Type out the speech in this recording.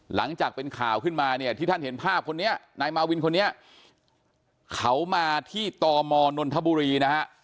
หลังจากเป็นข่าวขึ้นมาเนี่ยที่ท่านเห็นภาพคนนี้นายมาวินคนนี้เขามาที่ตมนนทบุรีนะฮะ